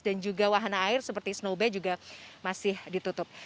dan juga wahana air seperti snow bay juga masih ditutup